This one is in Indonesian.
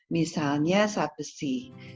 misalnya satu si